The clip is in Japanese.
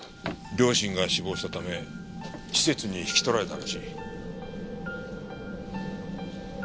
両親が死亡したため施設に引き取られたらしい。